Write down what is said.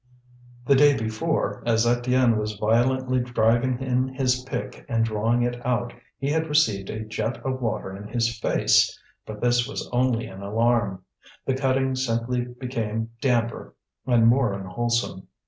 The day before, as Étienne was violently driving in his pick and drawing it out, he had received a jet of water in his face; but this was only an alarm; the cutting simply became damper and more unwholesome.